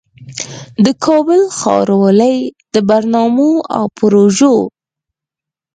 د کابل ښاروالۍ د برنامو او پروژو